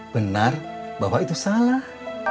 benar bapak itu salah